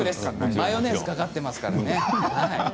マヨネーズかかってますからね。